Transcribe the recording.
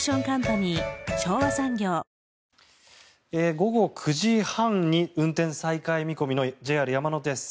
午後９時半に運転再開見込みのＪＲ山手線。